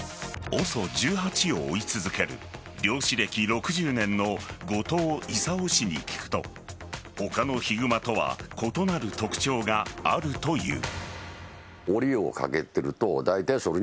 ＯＳＯ１８を追い続ける猟師歴６０年の後藤勲氏に聞くと他のヒグマとは異なる特徴があるという。